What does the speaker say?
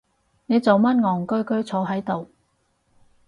你做乜戇居居坐係度？